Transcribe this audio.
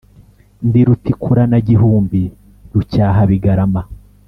Ndi rutikurana gihumbi, rucyahabigarama,